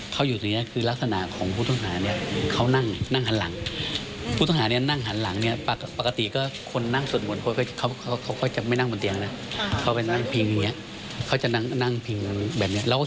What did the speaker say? ครับ